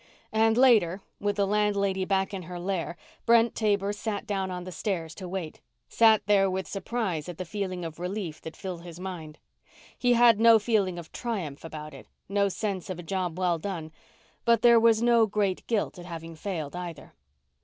And later, with the landlady back in her lair, Brent Taber sat down on the stairs to wait; sat there with surprise at the feeling of relief that filled his mind. He had no feeling of triumph about it; no sense of a job well done. But there was no great guilt at having failed, either.